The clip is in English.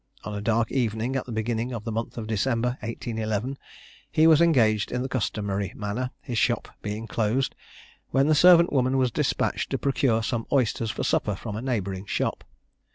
On a dark evening at the beginning of the month of December 1811, he was engaged in the customary manner, his shop being closed, when the servant woman was despatched to procure some oysters for supper from a neighbouring shop.